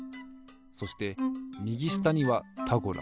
そしてみぎしたには「タゴラ」。